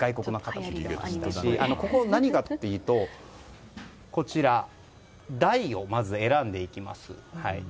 ここ、何がいいかというとこちら、台をまず選んでいきます。